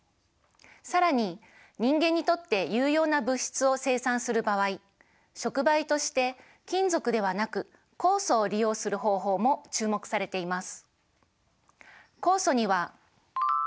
更に人間にとって有用な物質を生産する場合触媒として金属ではなく酵素を利用する方法も注目されています。